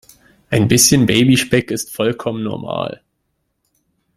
Ein bisschen Babyspeck ist vollkommen normal.